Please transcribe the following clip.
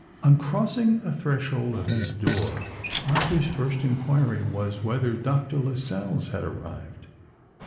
On crossing the threshold of his door, Arthur's first inquiry was whether Doctor Lascelles had arrived.